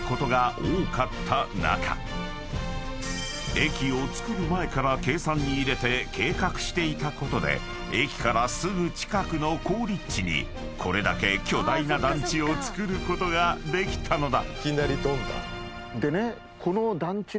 ［駅をつくる前から計算に入れて計画していたことで駅からすぐ近くの好立地にこれだけ巨大な団地を造ることができたのだ］